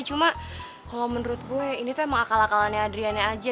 cuma kalau menurut gue ini tuh emang akal akalannya adriannya aja